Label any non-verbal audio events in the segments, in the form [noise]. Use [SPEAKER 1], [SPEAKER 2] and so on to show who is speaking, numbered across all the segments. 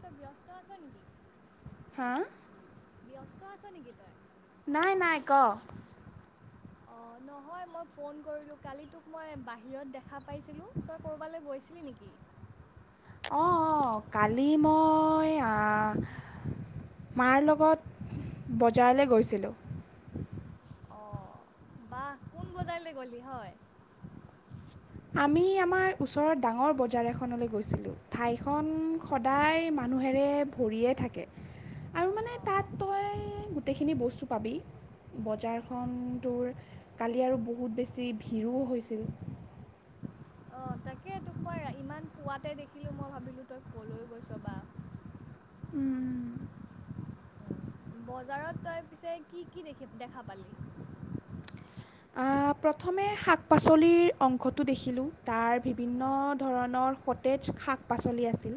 [SPEAKER 1] তই ব্যস্ত আছ নেকি?
[SPEAKER 2] হা
[SPEAKER 1] ব্যস্ত আছ নেকি তই?
[SPEAKER 2] নাই নাই ক।
[SPEAKER 1] অঁ, নহয় মই ফোন কৰিলোঁ কালি তোক মই বাহিৰত দেখা পাইছিলোঁ। তই ক'ৰবালৈ গৈছিলি নেকি?
[SPEAKER 2] অঁ অঁ, কালি মই আঁ মাৰ লগত বজাৰলৈ গৈছিলোঁ।
[SPEAKER 1] অ, বাহ কোন বজাৰলৈ গ'লি হয়?
[SPEAKER 2] আমি আমাৰ ওচৰৰ ডাঙৰ বজাৰ এখনলৈ গৈছিলোঁ, ঠাইখন সদায় মানুহেৰে ভৰিয়ে থাকে, আৰু মানে
[SPEAKER 1] অঁ
[SPEAKER 2] তাত তই গোটেইখিনি বস্তু পাবি। বজাৰখন তোৰ কালি আৰু বহুত বেছি ভিৰো হৈছিল।
[SPEAKER 1] অঁ, তাকে তোক মই ইমান পোৱাতে দেখিলোঁ মই ভাবিলোঁ তই ক'লৈ গৈছ বা।
[SPEAKER 2] উম।
[SPEAKER 1] উম, বজাৰত তই পিছে কি কি দেখি দেখা পালি?
[SPEAKER 2] আহ, প্ৰথমে শাক পাচলিৰ অংশটো দেখিলোঁ, তাৰ বিভিন্ন ধৰণৰ সতেজ শাক পাচলি আছিল,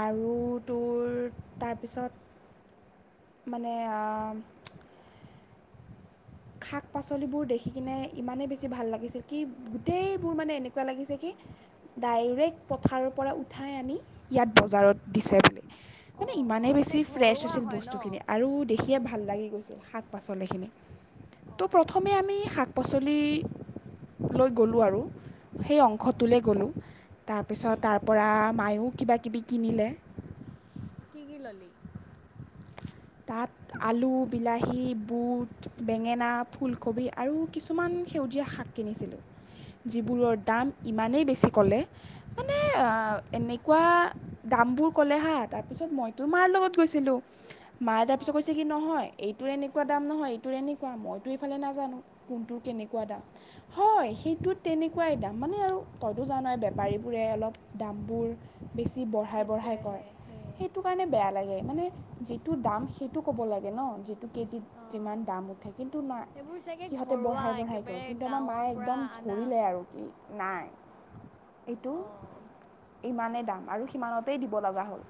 [SPEAKER 2] আৰু তোৰ তাৰপিছত মানে আ শাক পাচলিবোৰ দেখি কিনে ইমানেই বেছি ভাল লাগিছিল কি গোটেইবোৰ মানে এনেকুৱা লাগিছে কি ডাইৰেক্ট পথাৰৰ পৰা উঠাই আনি ইয়াত বজাৰত দিছে বুলি মানে
[SPEAKER 1] অঁ অঁ
[SPEAKER 2] ইমানেই
[SPEAKER 1] মানে
[SPEAKER 2] বেছি ফ্ৰেছ
[SPEAKER 1] ঘৰুৱা
[SPEAKER 2] আছিল
[SPEAKER 1] হয় ন
[SPEAKER 2] বস্তুখিনি আৰু দেখিয়ে ভাল লাগি গৈছিল, শাক পাচলিখিনি। ত'
[SPEAKER 1] অঁ অঁ
[SPEAKER 2] প্ৰথমে আমি শাক পাচলি লৈ গ'লোঁ আৰু। সেই
[SPEAKER 1] অঁ
[SPEAKER 2] অংশটোলে গ'লোঁ, তাৰপিছত
[SPEAKER 1] উম,
[SPEAKER 2] তাৰপৰা মায়ো কিবা কিবি কিনিলে।
[SPEAKER 1] কি কি ল'লি?
[SPEAKER 2] তাত আলু, বিলাহী, বুট, বেঙেনা, ফুলকবি আৰু কিছুমান সেউজীয়া শাক কিনিছিলোঁ, যিবোৰৰ দাম ইমানেই বেছি ক'লে মানে
[SPEAKER 1] অঁ
[SPEAKER 2] এনে কোৱা দামবোৰ ক'লে হা, তাৰপিছত মইতো মাৰ লগত গৈছিলোঁ। মায়ে তাৰ পিছত
[SPEAKER 1] অঁ
[SPEAKER 2] কৈছে কি নহয়, এইটো এনেকুৱা দাম নহয়, এইটো এনেকুৱা, মইতো এইফালে নাজানো কোনটো কেনেকুৱা দাম,
[SPEAKER 1] অঁ
[SPEAKER 2] হয় সেইটোত তেনেকুৱাই দাম মানে আৰু তইতো জানই, বেপাৰীবোৰে অলপ দামবোৰ বেছি বঢ়াই বঢ়াই
[SPEAKER 1] সেইটোৱে
[SPEAKER 2] কয়,
[SPEAKER 1] সেই সেয়ে
[SPEAKER 2] সেইটো কাৰণে বেয়া লাগে, মানে যিটো দাম সেইটো ক'ব লাগে ন। কেজিত
[SPEAKER 1] অঁ
[SPEAKER 2] যিমান দাম উঠে, কিন্তু না
[SPEAKER 1] সেইবোৰ চাগে
[SPEAKER 2] সিহঁতে
[SPEAKER 1] ঘৰুৱা
[SPEAKER 2] বঢ়াই বঢ়াই কয়,
[SPEAKER 1] একেবাৰে
[SPEAKER 2] কিন্তু আমাৰ
[SPEAKER 1] গাঁৱৰ
[SPEAKER 2] মায়ে
[SPEAKER 1] পৰা
[SPEAKER 2] একদম
[SPEAKER 1] আনা
[SPEAKER 2] ধৰিলে আৰু কি নাই, এইটো
[SPEAKER 1] অঁ
[SPEAKER 2] ইমানেই দাম আৰু সিমানতেই দিব লগা হ'ল।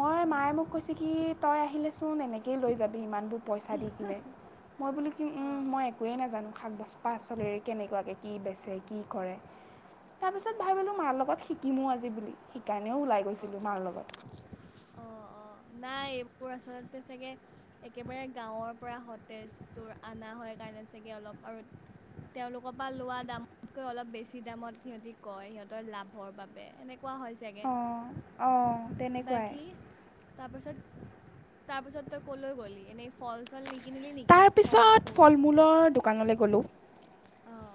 [SPEAKER 2] মই
[SPEAKER 1] উম,
[SPEAKER 2] মায়ে মোক
[SPEAKER 1] উম,
[SPEAKER 2] কৈছে কি তই আহিলেচোন এনেকেই লৈ যাবি ইমানবোৰ পইচা দি কিনে, মই বোলো কি উম
[SPEAKER 1] অঁ
[SPEAKER 2] মই একোৱেই নাজানো, শাক- পাচলিৰ কেনেকুৱাকে কি বেছে কি কৰে। তাৰ পিছত ভাবিলোঁ মাৰ লগত শিকিমো আজি বুলি, সেইকাৰণেও ওলাই গৈছিলো মাৰ লগত।
[SPEAKER 1] অ' অ 'নাই এইবোৰ আচলতে চাগে একেবাৰে গাঁৱৰ পৰা সতেজ তোৰ আনা হয় কাৰণে চাগে অলপ আৰু তেওঁলোকৰ পৰা লোৱা দামতকৈ অলপ বেছি দামত সিহঁতি কয়, সিহঁতৰ লাভৰ বাবে এনেক কোৱা হয় চাগে।
[SPEAKER 2] অঁ অঁ। তেনেকুৱাই
[SPEAKER 1] বাকী, তাৰপিছত তাৰপাছত তই ক'লৈ গ'লি, এনেই ফল চল নিকিনিলি নেকি, ফল, ফুল।
[SPEAKER 2] ফুলৰ দোকানলে গ'লোঁ।
[SPEAKER 1] অঁ।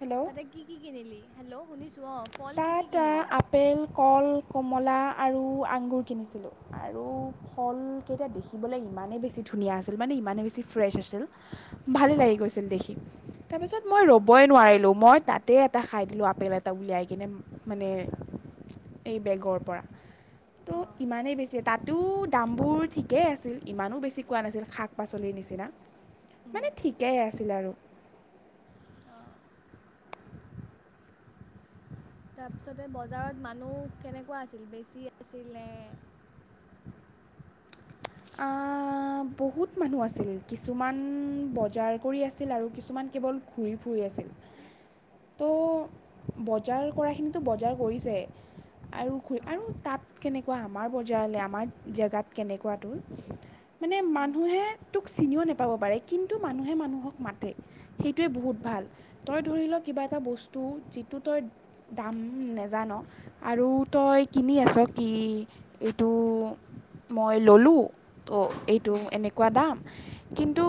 [SPEAKER 2] হেল্ল'
[SPEAKER 1] তাতে কি, কি কিনিলি, হেল্ল' শুনিছো অ।
[SPEAKER 2] তাত আপেল, কল, কমলা আৰু আঙুৰ কিনিছিলোঁ। আৰু ফলকেইটা দেখিবলে ইমানেই বেছি ধুনীয়া আছিল, মানে ইমানেই বেছি ফ্ৰেছ আছিল। ভাল লাগি
[SPEAKER 1] অঁ
[SPEAKER 2] গৈছিল দেখি। তাৰপিছত মই
[SPEAKER 1] অঁ
[SPEAKER 2] ৰ'বই নোৱাৰিলোঁ, মই তাতেই এটা খায় দিলোঁ আপেল এটা উলিয়াই কিনে। মানে এই বেগৰ পৰা, ত'
[SPEAKER 1] অঁ
[SPEAKER 2] ইমানেই বেছি তাতো দামবোৰ ঠিকেই আছিল, ইমানো বেছি কোৱা নাছিল, শাক পাচলিৰ নিচিনা।
[SPEAKER 1] উম,
[SPEAKER 2] মানে ঠিকেই আছিলে আৰু।
[SPEAKER 1] অ। তাৰপিছতে বজাৰত মানুহ কেনেকোৱা আছিল, বেছি আছিল নে?
[SPEAKER 2] অ অ বহুত মানুহ আছিল, কিছুমান বজাৰ কৰি আছিল আৰু কিছুমান কেৱল ঘূৰি ফুৰি আছিল।
[SPEAKER 1] [inaudible]
[SPEAKER 2] তো বজাৰ কৰা খিনিতো বজাৰ কৰিছে। আৰু ঘুৰি
[SPEAKER 1] অঁ
[SPEAKER 2] আৰু তাত কেনেকুৱা আমাৰ বজাৰলে, আমাৰ জেগাত কেনেকুৱা‌ তোৰ মানে
[SPEAKER 1] উম,
[SPEAKER 2] মানুহে তোক চিনিও নেপাব পাৰে কিন্তু মানুহে মানুহক মাত তে সেইটোৱে বহুত ভাল,
[SPEAKER 1] অঁ
[SPEAKER 2] তই ধৰি ল কিবা এটা বস্তু যিটো তই দাম নেজান' আৰু তই কিনি আছ কি এইটো মই ল'লোঁ ত' এইটো
[SPEAKER 1] উম,
[SPEAKER 2] এনেকুৱা দাম কিন্তু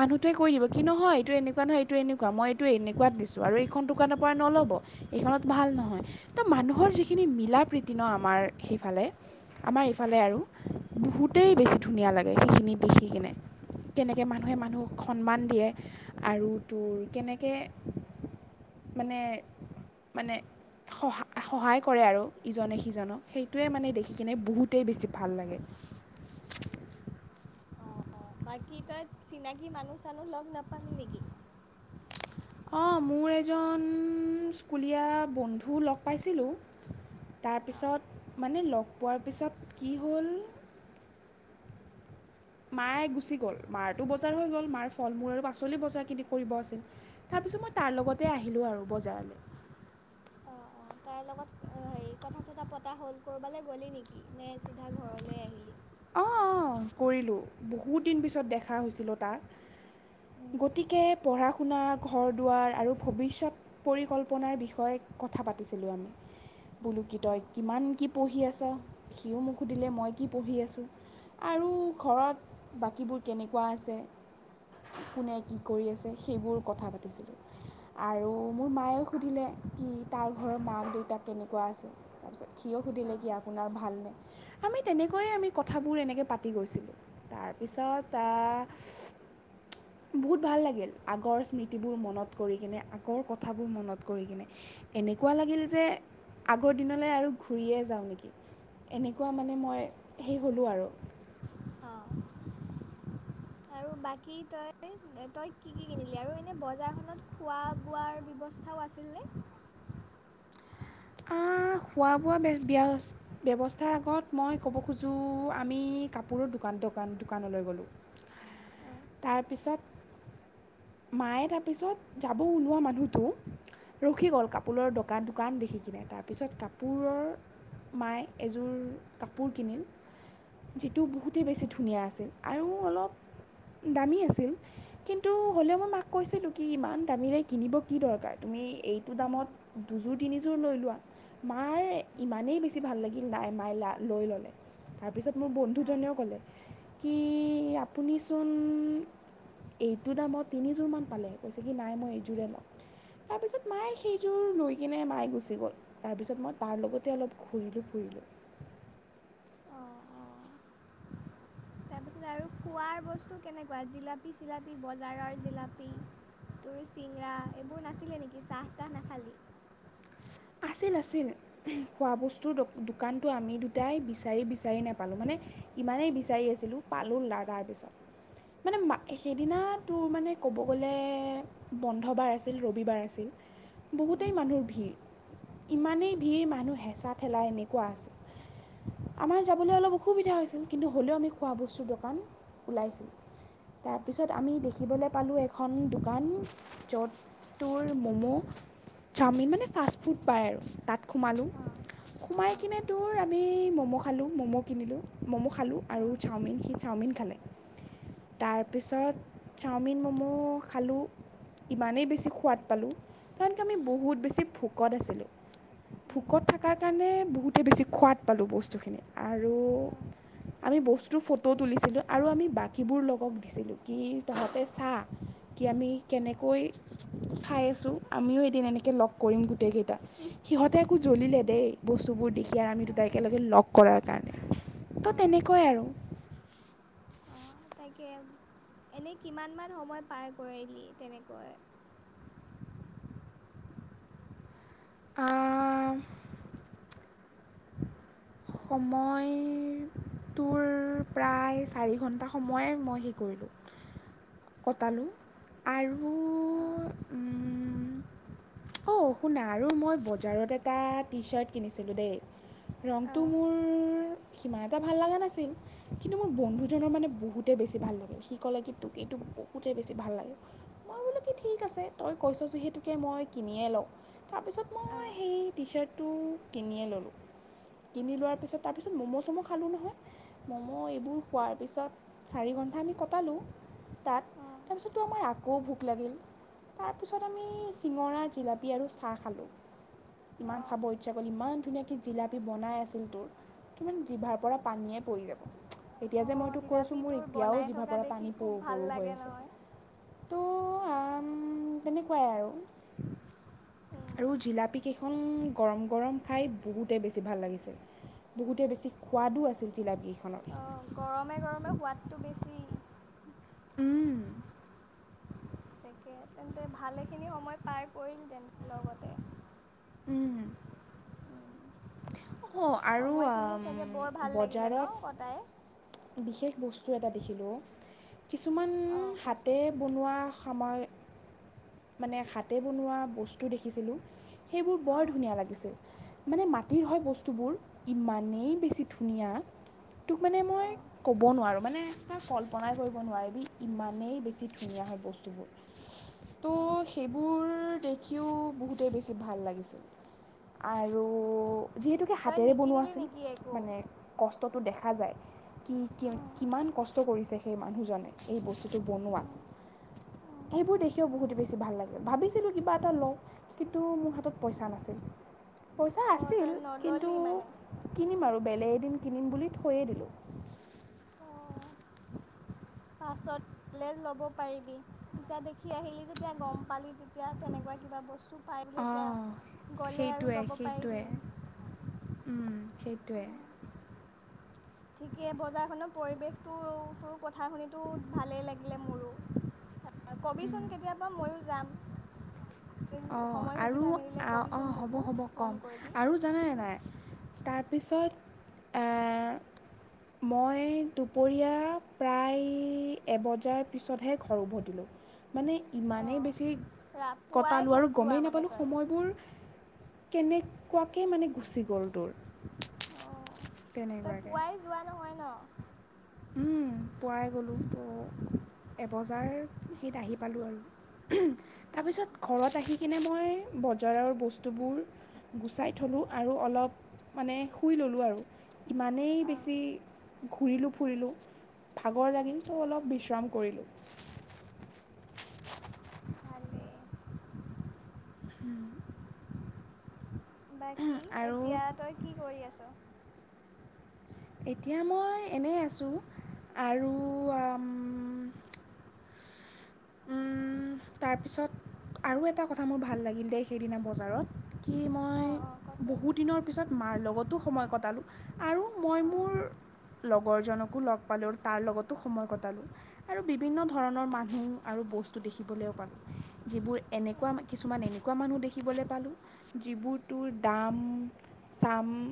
[SPEAKER 2] মানুহটোৱে কৈ দিব কিন্ত নহয় এইটো মানুহটোয়ে মানু্হটোৱে কৈ দিব কি এইটো এনেকুৱা নহয়, এইটো এনেকুৱা, মই এইটো এনেকুৱাত দিছোঁ আৰু এইখন দোকানৰ পৰা নল'ব। এইখনত ভাল নহয়, ত' মানুহৰ
[SPEAKER 1] উম,
[SPEAKER 2] যিখিনি মিলা প্ৰীতি ন' আমাৰ সেইফালে আমাৰ এইফালে
[SPEAKER 1] অঁ
[SPEAKER 2] আৰু, বহুতেই বেছি ধুনীয়া লাগে, সেইখিনি দেখি কিনে। কেনেকে
[SPEAKER 1] উম,
[SPEAKER 2] মানুহে মানুহক
[SPEAKER 1] উম।
[SPEAKER 2] সন্মান দিয়ে আৰু তোৰ কেনেকে মানে, মানে সহা-সহায় কৰে আৰু ইজনে সিজনক সেইটোৱে মানে দেখি কিনে বহুতেই বেছি ভাল লাগে।
[SPEAKER 1] অ' বাকী তই চিনাকি মানুহ চানুহ লগ নাপালি নেকি?
[SPEAKER 2] অ' মোৰ এজন স্কুলীয়া বন্ধু লগ পাইছিলোঁ।
[SPEAKER 1] অঁ
[SPEAKER 2] তাৰপিছত, মানে লগ পোৱাৰ পিছত কি হ'ল মায়ে গুচি গ'ল, মাৰতো বজাৰ হৈ গ'ল, মাৰ ফল মূল আৰু পাচলি বজাৰখিনি কৰিব আছিল। তাৰপিছত মই তাৰ
[SPEAKER 1] অঁ
[SPEAKER 2] লগতে আহিলোঁ আৰু বজাৰলে।
[SPEAKER 1] অ', অ'। তাৰ লগত হেৰি কথা চথা পতা হ'ল, ক'ৰবালৈ গ'লি নেকি নে চিধা ঘৰলৈ আহিলি?
[SPEAKER 2] অ', অ', কৰিলোঁ, বহুত দিন পিছত দেখা হৈছিলোঁ তাক।
[SPEAKER 1] উম,
[SPEAKER 2] গতিকে পঢ়া শুনা, ঘৰ দুৱাৰ আৰু ভৱিষ্যত পৰিকল্পনাৰ বিষয়ে কথা পাতিছিলোঁ আমি। বোলো কি তই
[SPEAKER 1] অঁ
[SPEAKER 2] কিমান কি পঢ়ি আছ, সিও মোক সুধিলে মই কি পঢ়ি আছোঁ। আৰু ঘৰত বাকীবোৰ কেনেকুৱা আছে। কোনে কি কৰি আছে সেইবোৰ কথা পাতিছিলোঁ। আৰু মোৰ মায়ে সুধিলে কি তাৰ ঘৰত মাক, দেউতাক কেনেকুৱা আছে। তাৰপিছত সিও সুধিলে
[SPEAKER 1] অঁ
[SPEAKER 2] কি আপোনাৰ ভালনে, আমি তেনেকৈয়ে আমি কথাবোৰ এনেকে পাতি গৈছিলোঁ, তাৰপিছত আ বহুত ভাল লাগিল। আগৰ স্মৃতিবোৰ মনত কৰি কিনে, আগৰ কথাবোৰ মনত কৰি কিনে এনেকুৱা লাগিল যে আগৰ দিনলৈ আৰু ঘূৰিয়ে যাওঁ নেকি। এনেকুৱা মানে মই সেই হ'লোঁ আৰু।
[SPEAKER 1] অ'। আৰু বাকী তই তই কি কি কিনিলি? আৰু এনে বজাৰখনত খোৱা বোৱাৰ ব্যৱস্থা থাও আছিলনে?
[SPEAKER 2] আ, খোৱা বোৱা বে-বেয়াছ ব্যৱস্থাৰ আগত মই ক'ব খোজোঁ আমি কাপোৰৰ দোকান দোকান দোকানলৈ গ'লোঁ।
[SPEAKER 1] [inaudible]
[SPEAKER 2] তাৰপিছত মায়ে তাৰপিছত যাব ওলোৱা মানুহটো ৰখি গ'ল কাপোৰৰ দোকান দোকান দেখি কিনে, তাৰপিছত কাপোৰৰ মায়ে এযোৰ কাপোৰ কিনিল। যিটো বহুতেই বেছি ধুনীয়া আছিল আৰু অলপ দামী আছিল কিন্তু হ'লেও মই মাক কৈছিলোঁ কি ইমান দামীৰে কিনিব কি দৰকাৰ, তুমি এইটো দামত দুযোৰ তিনিযোৰ লৈ লোৱা। মাৰ ইমানেই বেছি ভাল লাগিল নাই মায় লা লৈ ল'লে। তাৰপিছত মোৰ
[SPEAKER 1] অঁ
[SPEAKER 2] বন্ধুজনেও ক'লে, কি আপুনিচোন এইটো দামত তিনিযোৰ মান পালে হৈ, কৈছে কি নাই মই এইযোৰে লম। তাৰপিছত মায়ে সেইযোৰ লৈ কিনে মায়ে গুচি গ'ল। তাৰপিছত মই তাৰ লগতে অলপ ঘূৰিলোঁ ফুৰিলোঁ।
[SPEAKER 1] অঁ অঁ। তাৰপিছত আৰু খোৱাৰ বস্তু কেনেকুৱা জিলাপি চিলাপি বজাৰৰ জিলাপি? তোৰ চিঙৰা এইবোৰ নাছিলে নেকি? চাহ তাহ নাখালি?
[SPEAKER 2] আছিল, আছিল। খোৱ বস্তুৰ দোকানটো আমি দুটাই বিচাৰি বিচাৰি নাপালোঁ, মানে ইমানেই বিচাৰি আছিলোঁ পালোঁ [unintelligible] তাৰপিছত, মানে সেইদিনা তোৰ মানে ক'ব গ'লে বন্ধবাৰ আছিল, ৰবিবাৰ আছিল,
[SPEAKER 1] উম,
[SPEAKER 2] বহুতেই মানুহৰ ভিৰ। ইমানেই ভিৰ মানুহ হেঁচা ঠেলা এনেকুৱা আছিল। আমাৰ যাবলৈ অলপ অসুবিধা হৈছিল কিন্তু হ'লেও আমি খোৱা বস্তুৰ দোকান ওলাইছিল। তাৰপিছত আমি দেখিবলৈ পালোঁ এখন দোকান য'ত তোৰ ম'ম', চাওমিন মানে ফাষ্ট ফুট পায় আৰু তাত সোমালোঁ
[SPEAKER 1] অঁ
[SPEAKER 2] সোমাই
[SPEAKER 1] অঁ
[SPEAKER 2] কেনে
[SPEAKER 1] অঁ
[SPEAKER 2] তোৰ আমি ম'ম' খালোঁ, ম'ম' কিনিলোঁ ম'ম' খালোঁ আৰু
[SPEAKER 1] অঁ
[SPEAKER 2] চাওমিন সিজ চাওমিন খালে, তাৰপিছত চাওমিন ম'ম' খালোঁ। ইমানেই বেছি সোৱাদ পালোঁ কাৰণ কি আমি বহুত বেছি ভোক ভোকত আছিলোঁ,
[SPEAKER 1] উম
[SPEAKER 2] ভোকত থকাৰ কাৰণে বহুতে বেছি খোৱাদ পালোঁ বস্তুখিনি আৰু
[SPEAKER 1] অঁ
[SPEAKER 2] আমি বস্তুৰ ফটো তুলিছিলোঁ আৰু আমি বাকীবোৰ লগক দিছিলোঁ কি তহঁতে চা। কি আমি কেনেকৈ খাই আছোঁ আমিও এদিন এনেকৈ লগ কৰিম গোটেইকেই টা সিহঁতে আকৌ জ্বলিলে
[SPEAKER 1] আৰু
[SPEAKER 2] দেই। বস্তুবোৰ দেখি আৰু আমি দুত
[SPEAKER 1] অঁ
[SPEAKER 2] একেলগে লগ কৰাৰ কাৰণে, তো
[SPEAKER 1] অঁ
[SPEAKER 2] তেনেকুৱাই আৰু।
[SPEAKER 1] অঁ', তাকে এনেই কিমানমান সময় পাৰ কৰিলি তেনেকৈ?
[SPEAKER 2] অঁ সময় তোৰ প্ৰায় চাৰি ঘণ্টা সময়ে মই হে কৰিলোঁ। কটালোঁ আৰু
[SPEAKER 1] অঁ
[SPEAKER 2] উম অঁ', শুনা আৰু মই বজাৰত এটা টি চাৰ্ট কিনিছিলোঁ দেই। তো
[SPEAKER 1] অঁ
[SPEAKER 2] মোৰ সিমান এটা ভাল লাগা নাছিল। কিন্তু মোৰ
[SPEAKER 1] উম
[SPEAKER 2] বন্ধুজনৰ মানে বহুতেই বেছি ভাল লাগিল, সি ক'লে কি তোক এইটো বহুতেই বেছি ভাল লাগে। মই বোলো কি ঠিক আছে তই কৈছ যিহেতুকে মই কিনিয়ে লও। তাৰপিছত মই
[SPEAKER 1] অঁ
[SPEAKER 2] সেই টি চাৰ্টটো কিনিয়ে ল'লোঁ। কিনি লোৱাৰ পিছত তাৰপিছত ম'ম' চ'ম' খালোঁ নহয়। ম'ম' এইবোৰ খোৱাৰ পিছত চাৰি ঘণ্টা আমি কটালোঁ তাত।
[SPEAKER 1] উম
[SPEAKER 2] তাৰপিছততো আমাৰ আকৌ ভোক লাগিল। তাৰপিছত আমি চিঙৰা জিলাপী আৰু চাহ খালোঁ। ইমান
[SPEAKER 1] অ'
[SPEAKER 2] খাব ইচ্ছা কৰিল ইমান ধুনীয়াকে জিলাপি বনাই আছিল তোৰ কিমান জিভাৰ পৰা পানীয়ে পৰি যাব। এতিয়া যে মই
[SPEAKER 1] অ'
[SPEAKER 2] তোক কৈছোঁ
[SPEAKER 1] জিলাপি
[SPEAKER 2] মোৰ
[SPEAKER 1] তোৰ
[SPEAKER 2] এতিয়াও
[SPEAKER 1] বনাই
[SPEAKER 2] জিভাৰ
[SPEAKER 1] থকা
[SPEAKER 2] পৰা
[SPEAKER 1] দেখি
[SPEAKER 2] পানী
[SPEAKER 1] খুব
[SPEAKER 2] পৰো
[SPEAKER 1] ভাল
[SPEAKER 2] পৰো হৈ
[SPEAKER 1] লাগে
[SPEAKER 2] আছে।
[SPEAKER 1] নহয়।
[SPEAKER 2] তো আম তেনেকুৱাই আৰু।
[SPEAKER 1] উম
[SPEAKER 2] আৰু জিলাপী কেইখন গৰম গৰম খাই বহুতেই বেছি বেছি ভাল লাগিছিল, বহুতেই বেছি সোৱাদো আছিল জিলাপী কেইখনত।
[SPEAKER 1] অ', গৰমে গৰমে সোৱাদটো বেছি।
[SPEAKER 2] উম।
[SPEAKER 1] তাকেহে তেন্তে, ভালেখিনি সময় পাৰ কৰিল তেন্তে, লগতে।
[SPEAKER 2] উম।
[SPEAKER 1] উম সময়খিনি চাগে, বৰ ভাল লাগিলে
[SPEAKER 2] বজাৰত
[SPEAKER 1] ন' কটাই।
[SPEAKER 2] বিশেষ বস্তু এটা দেখিলোঁ, কিছুমান
[SPEAKER 1] অ'
[SPEAKER 2] হাতে
[SPEAKER 1] কচোন
[SPEAKER 2] বনোৱা আামাৰ মানে হাতে বনোৱা বস্তু দেখিছিলোঁ, সেইবোৰ বৰ
[SPEAKER 1] অ'
[SPEAKER 2] ধুনীয়া লাগিছিল। মানে মাটিৰ হয় বস্তুবোৰ, ইমানেই বেছি ধুনীয়া। তোক মানে মই
[SPEAKER 1] অ'
[SPEAKER 2] ক'ব নোৱাৰোঁ, মানে তই কল্পনাই কৰিব নোৱাৰিবি, ইমানেই বেছি ধুনীয়া হয় বস্তুবোৰ। ত'
[SPEAKER 1] অ'
[SPEAKER 2] সেইবোৰ দে দেখিও বহুতেই বেছি ভাল লাগিছিল, আৰু যিহেতুকে
[SPEAKER 1] তই
[SPEAKER 2] হাতেৰে বনোৱা
[SPEAKER 1] নিকিনিলি
[SPEAKER 2] আছিল,
[SPEAKER 1] নেকি একো?
[SPEAKER 2] মানে কষ্টটো দেখা যায়, কি কি, কিমান কষ্ট কৰিছে? সেই মানহজনে এই বস্তুটো বনৱাত, সেইবোৰ কিয় বহুত বেছি ভাল লাগিল, ভাবিছিলোঁ কিবা এটা লওঁ, কিন্তু মোৰ হাতত পইচা নাছিল। পইচা
[SPEAKER 1] অ'
[SPEAKER 2] আছিল,
[SPEAKER 1] তই
[SPEAKER 2] কিন্তু
[SPEAKER 1] নল'লি মানে?
[SPEAKER 2] কিনিম আৰু, বেলেগ এদিন কিনিম বুলি থৈয়েই দিলোঁ।
[SPEAKER 1] অ', পাছত ল'ব পাৰিবি, এতিয়া দেখি আহিলি যেতিয়া গম পালি যেতিয়া, তেনেকুৱা কিবা বস্তু পায় বুলি এতিয়া,
[SPEAKER 2] অঁ
[SPEAKER 1] গ'লে আৰু ল'ব পাৰিবি।
[SPEAKER 2] উম, সেইটোৱেই।
[SPEAKER 1] [inaudible] ঠিকেই, বজাৰখনৰ পৰিৱেশটোৰ কথা শুনিতো, ভালেই লাগিলে মোৰো। কবিচোন কেতিয়াবা, ময়ো যাম।
[SPEAKER 2] অঁ
[SPEAKER 1] সময়,
[SPEAKER 2] আৰু
[SPEAKER 1] সুবিধা মিলিলে ক'বিচোন মোকো, ফোন কৰিবি।
[SPEAKER 2] জানা নে নাই? তাৰপিছত আহ মই দুপৰীয়া প্ৰায় এবজাৰ পিছতহে ঘৰ উভতিলোঁ। মানে ইমানেই
[SPEAKER 1] অঁ
[SPEAKER 2] বেছি
[SPEAKER 1] ৰা পুৱাই
[SPEAKER 2] কটালোঁ
[SPEAKER 1] গ
[SPEAKER 2] আৰু,
[SPEAKER 1] যোৱা
[SPEAKER 2] গমেই
[SPEAKER 1] মানে
[SPEAKER 2] নাপালোঁ
[SPEAKER 1] তই
[SPEAKER 2] সময়বোৰ। কেনেকুৱাকে মানে গুচি গ'ল দূৰ
[SPEAKER 1] অ', তই
[SPEAKER 2] তেনেকুৱাকৈ
[SPEAKER 1] পুৱাই যোৱা নহয় ন?
[SPEAKER 2] হুম, পুৱাই গ'লো, ত' এবজাৰ সেইত আহি পালোঁ আৰু। তাৰপিছত
[SPEAKER 1] অঁ
[SPEAKER 2] ঘৰত আহি কিনে মই, বজাৰৰ বস্তুবোৰ গুচাই থলোঁ, আৰু অলপ মানে শুই ল'লো আৰু। ইমানেই
[SPEAKER 1] অঁ
[SPEAKER 2] বেছি ঘূৰিলো ফুৰিলোঁ ভাগৰ লাগিল, ত' অলপ বিশ্ৰাম কৰিলোঁ।
[SPEAKER 1] ভালেই।
[SPEAKER 2] [inaudible]
[SPEAKER 1] বাকী,
[SPEAKER 2] আৰু
[SPEAKER 1] এতিয়া তই কি কৰি আছ'?
[SPEAKER 2] এতিয়া মই এনেই আছোঁ, আৰু
[SPEAKER 1] উম,
[SPEAKER 2] উম, তাৰপিছত আৰু এটা কথা মোৰ ভাল লাগিল দেই, সেইদিনা বজাৰত। কি মই,
[SPEAKER 1] অঁ অঁ কচোন
[SPEAKER 2] বহুদিনৰ পিছত মাৰ লগতো সময় কটালো, আৰু মই
[SPEAKER 1] অঁ
[SPEAKER 2] মোৰ লগৰ জনকো লগ পালোঁ, তাৰ লগতো সময় কটালো। আৰু বিভিন্ন ধৰণৰ
[SPEAKER 1] অঁ
[SPEAKER 2] মানুহ আৰু বস্তু দেখিবলৈও পালোঁ, যিবোৰ এনে কুৱা
[SPEAKER 1] অঁ
[SPEAKER 2] কিছুমান এনেকুৱা মানুহ দেখি বলে পালো যিবোৰ তোৰ দাম চাম